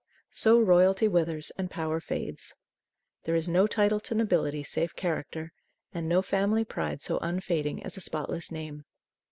So royalty withers and power fades. There is no title to nobility save character, and no family pride so unfading as a spotless name.